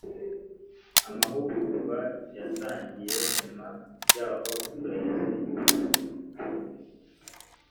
Amahugurwa yatangiye nyuma yaho icyorezo gikajije umurego